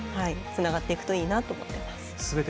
つながっていくといいなと思ってます。